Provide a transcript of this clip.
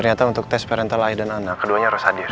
ternyata untuk tes parental aih dan ana keduanya harus hadir